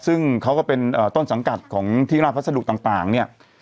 ซึ่งเขาก็เป็นต้นสังกัดของที่ราชพัสดุต่างเนี่ย